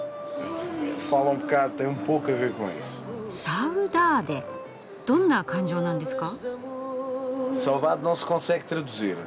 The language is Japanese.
サウダーデどんな感情なんですか？